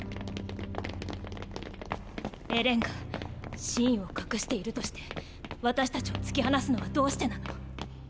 エレンが真意を隠しているとして私たちを突き放すのはどうしてなの？